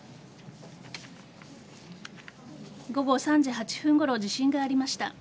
午後３時８分ごろ地震がありました。